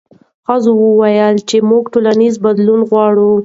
ښځو وویل چې موږ ټولنیز بدلون غواړو.